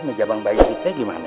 menjabang bayi kita gimana